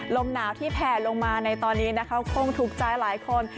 ลมหนาวที่แผ่ลงมาในตอนนี้นะคะคงถูกใจหลายคน